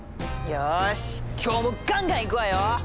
よし今日もガンガンいくわよ！